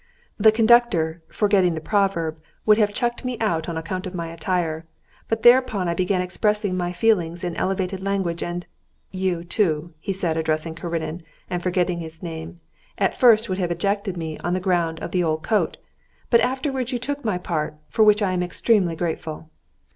"The conductor, forgetting the proverb, would have chucked me out on account of my attire; but thereupon I began expressing my feelings in elevated language, and ... you, too," he said, addressing Karenin and forgetting his name, "at first would have ejected me on the ground of the old coat, but afterwards you took my part, for which I am extremely grateful."